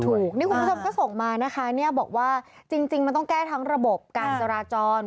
ถูกนี่คุณผู้ชมก็ส่งมานะคะเนี่ยบอกว่าจริงมันต้องแก้ทั้งระบบการจราจร